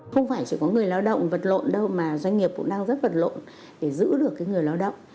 không phải chỉ có người lao động vật lộn đâu mà doanh nghiệp cũng đang rất vật lộn để giữ được người lao động